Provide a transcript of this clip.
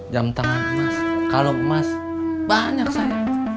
jam tangan emas kalau emas banyak saya